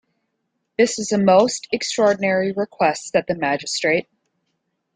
‘This is a most extraordinary request,’ said the magistrate.